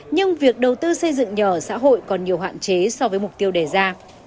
nhưng việc đầu tư xây dựng nhà ở xã hội còn nhiều hạn chế so với mục tiêu đề ra